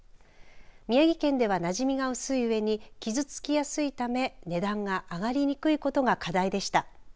宮城県では、なじみが薄いうえに傷つきやすいため値段が上がりにくいことが課題でした。